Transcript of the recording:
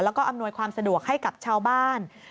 แล้วก็อำนวยความสะดวกให้กับชาวบ้าน